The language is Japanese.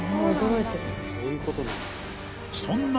［そんな］